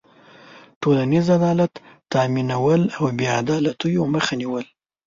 ټولنیز عدالت تأمینول او بېعدالتيو مخه نېول.